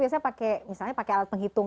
biasanya pakai alat penghitung